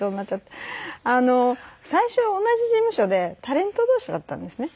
最初同じ事務所でタレント同士だったんですね。